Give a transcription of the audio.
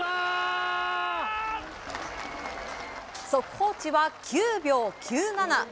速報値は９秒９７。